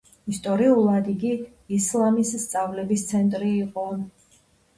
ისტორიულად იგი ისლამის სწავლების ცენტრი იყო.